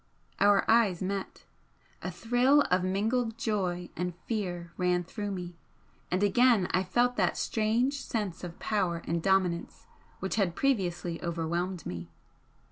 Our eyes met. A thrill of mingled joy and fear ran through me, and again I felt that strange sense of power and dominance which had previously overwhelmed me.